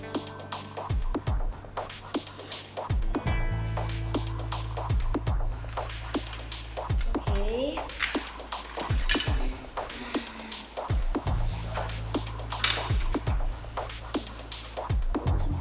ya kamu lepasin dong